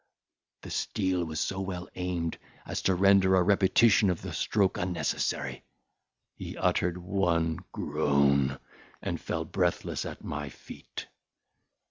The steel was so well aimed as to render a repetition of the stroke unnecessary; he uttered one groan, and fell breathless at my feet.